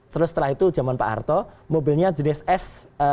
terus setelah itu zaman pak harto mobilnya jenis s empat ratus dua puluh